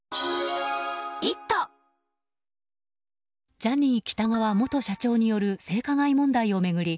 ジャニー喜多川元社長による性加害問題を巡り